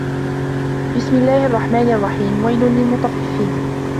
بِسمِ اللَّهِ الرَّحمنِ الرَّحيمِ وَيلٌ لِلمُطَفِّفينَ